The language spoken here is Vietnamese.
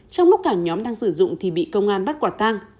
trong lúc cả nhóm đang sử dụng thì bị công an bắt quả tang